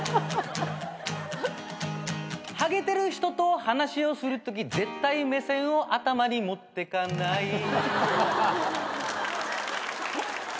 「はげてる人と話をするとき絶対目線を頭にもってかない」